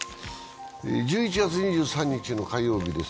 １１月２３日の火曜日です。